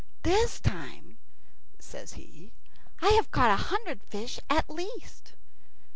"This time," says he, "I have caught a hundred fish at least."